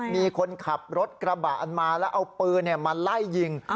มีคนขับรถกระบะอันมาแล้วเอาปืนมาไล่ยิง